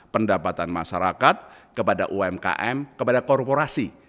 pendapatan masyarakat kepada umkm kepada korporasi